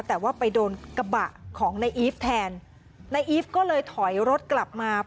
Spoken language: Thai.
แต่ว่าไปโดนกระบะของนายอีฟแทนนายอีฟก็เลยถอยรถกลับมา